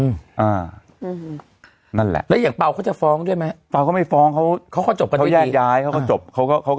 อืมอ่านั่นแหละหรือหรือจะฟองด้วยไหมพอไม่ฟ้าเขาเขาจะเขาย่ายเขาจบเขาก็กัด